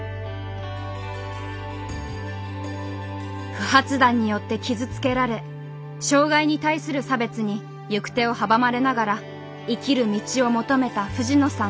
不発弾によって傷つけられ障害に対する差別に行く手を阻まれながら生きる道を求めた藤野さん。